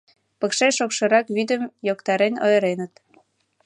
Пыкше шокшырак вӱдым йоктарен ойыреныт.